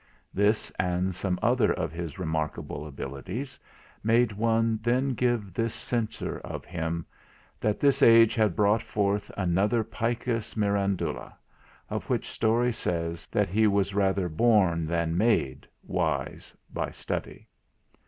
This, and some other of his remarkable abilities, made one then give this censure of him: That this age had brought forth another Picus Mirandula; of whom story says, that he was rather born than made wise by study.